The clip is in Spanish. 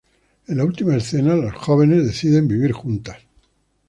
En la última escena, las jóvenes deciden vivir juntas.